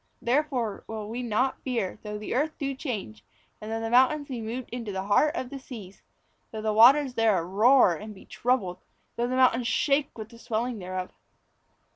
Therefore will we not fear, though the earth do change, And though the mountains be moved in the heart of the seas; Though the waters thereof roar and be troubled, Though the mountains shake with the swelling thereof.